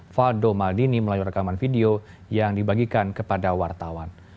faldo maldini melalui rekaman video yang dibagikan kepada wartawan